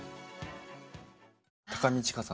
高見知佳さん